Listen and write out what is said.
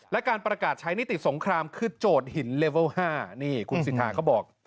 และการประกาศใช้นิติสงครามคือโจทย์หินเลเวล๕นี่คุณสิทธาเขาบอก